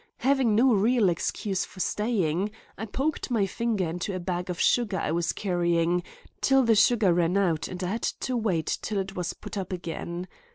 Having no real excuse for staying, I poked my finger into a bag of sugar I was carrying, till the sugar ran out and I had to wait till it was put up again.